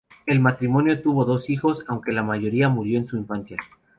El matrimonio tuvo varios hijos, aunque la mayoría murió en su infancia.